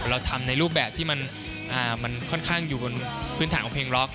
เราทำในรูปแบบที่มันค่อนข้างอยู่บนพื้นฐานของเพลงล็อก